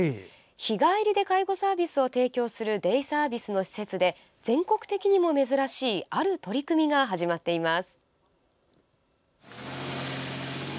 日帰りで介護サービスを提供するデイサービスの施設で全国的にも珍しいある取り組みが始まっています。